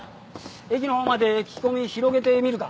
駅のほうまで聞き込み広げてみるか。